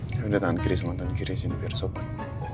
kita udah ada di tangan kiri sama tangan kiri sini biar sopan